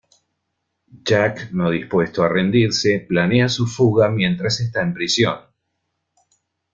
Jack, no dispuesto a rendirse, planea su fuga mientras está en prisión.